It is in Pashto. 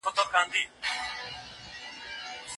لارښود به له څېړونکي سره پوره مرسته وکړي.